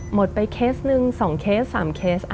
หมดไปเคสหนึ่ง๒เคส๓เคส